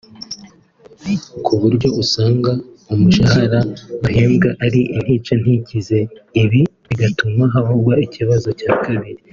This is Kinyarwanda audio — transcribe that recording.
kuburyo usanga umushahara bahembwa ari intica ntikize ibi bigatuma havuka ikibazo cya kabiri